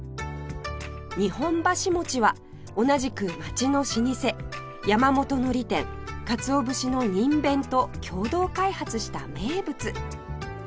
日本橋餅は同じく街の老舗山本海苔店鰹節のにんべんと共同開発した名物